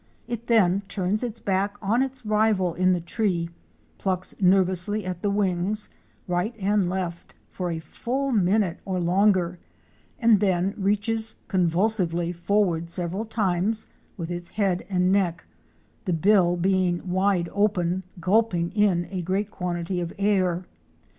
It then turns its back on its rival in the tree, plucks nervously at the wings, right and left, for a full minute or longer, and then reaches con vulsively forward several times, with its head and neck, the bill being wide open, gulping in a great quantity of air.